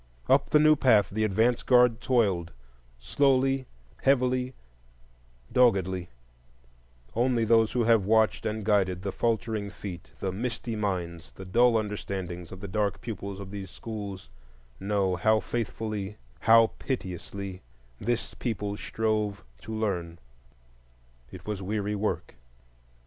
Up the new path the advance guard toiled, slowly, heavily, doggedly; only those who have watched and guided the faltering feet, the misty minds, the dull understandings, of the dark pupils of these schools know how faithfully, how piteously, this people strove to learn. It was weary work.